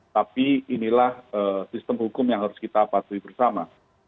tapi inilah sistem hukum yang harus kita patuhi bersama